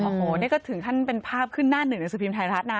โอ้โหนี่ก็ถึงขั้นเป็นภาพขึ้นหน้าหนึ่งหนังสือพิมพ์ไทยรัฐนะ